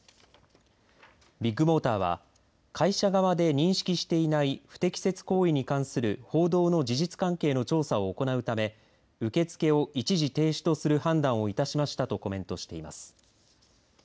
ビッグモーターは会社側で認識していない不適切行為に関する報道の事実関係の調査を行うため受け付けを一時停止とする判断をいたしましたとコメントしています。